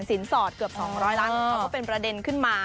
สินสอดเกือบ๒๐๐ล้านเขาก็เป็นประเด็นขึ้นมา